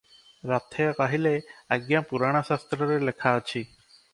ରଥେ କହିଲେ, ଆଜ୍ଞା! ପୁରାଣ ଶାସ୍ତ୍ରରେ ଲେଖାଅଛି -